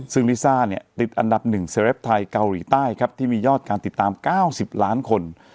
ซึ่งลิซ่าเนี่ยติดอันดับ๑เซลปไทยเกาหลีใต้ครับที่มียอดการติดตาม๙๐ล้านคน